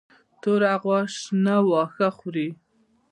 توره غوا شنه واښه خوري.